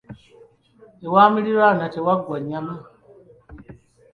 Ewa muliraanwa tewaggwa nnyama.